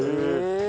へえ。